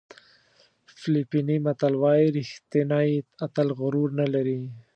فلپیني متل وایي ریښتینی اتل غرور نه لري.